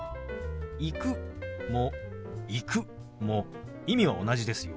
「行く」も「行く」も意味は同じですよ。